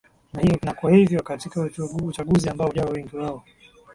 na kwa hivyo katika uchaguzi ambao ujao wengi wao